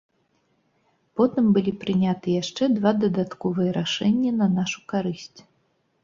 Потым былі прынятыя яшчэ два дадатковыя рашэнні на нашу карысць.